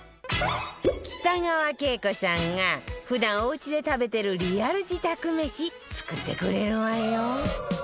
北川景子さんが普段おうちで食べてるリアル自宅めし作ってくれるわよ